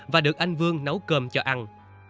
và được anh vương nấu cơm cho ăn